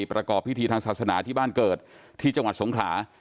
ประกอบพิธีทางศาสนาที่บ้านเกิดที่จังหวัดสงขลา